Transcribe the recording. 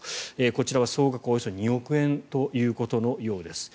こちらは総額およそ２億円ということのようです。